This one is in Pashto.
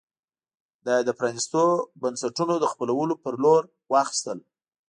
دا یې د پرانېستو بنسټونو د خپلولو په لور واخیستل.